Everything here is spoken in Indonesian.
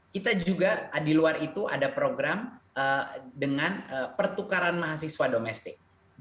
kita juga di luar itu ada program dengan pertukaran mahasiswa domestik